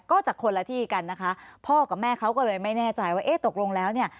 ก็จากคนละที่กันนะคะพ่อกับแม่เขาก็เลยไม่แน่ใจว่าเอ๊ะตกลงแล้วเนี่ย